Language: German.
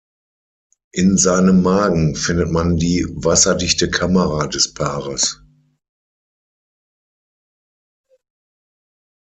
In seinem Magen findet man die wasserdichte Kamera des Paares.